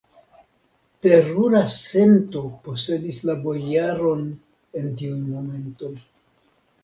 Terura sento posedis la bojaron en tiuj momentoj!